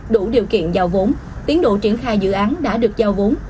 đủ điều kiện giao vốn tiến độ triển khai dự án đã được giao vốn